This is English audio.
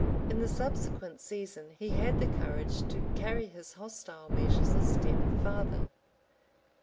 {1206.} In the subsequent season, he had the courage to carry his hostile measures a step farther.